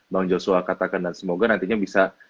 bang joshua katakan dan semoga nantinya bisa